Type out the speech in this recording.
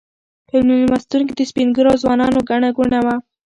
په مېلمستون کې د سپین ږیرو او ځوانانو ګڼه ګوڼه وه.